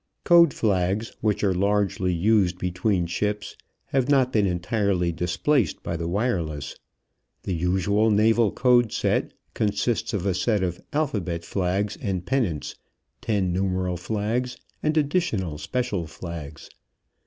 Code flags, which are largely used between ships, have not been entirely displaced by the wireless. The usual naval code set consists of a set of alphabet flags and pennants, ten numeral flags, and additional special flags.